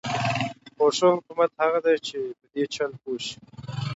خو ښه حکومت هغه دی چې په دې چل پوه شي.